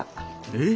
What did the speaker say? えっ！